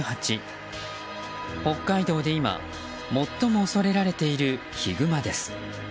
北海道で今、最も恐れられているヒグマです。